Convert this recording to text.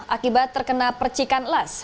akibat terkena percikan las